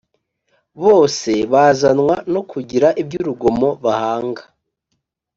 Bose bazanwa no kugira iby urugomo bahanga